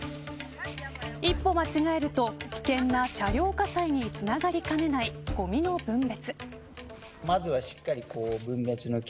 一歩、間違えると危険な車両火災につながりかねない、ごみの分別。